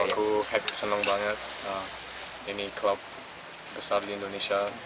aku senang banget ini klub besar di indonesia